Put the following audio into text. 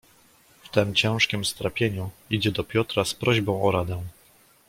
"W tem ciężkiem strapieniu idzie do Piotra z prośbą o radę."